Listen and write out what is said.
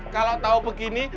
kalau tahu begini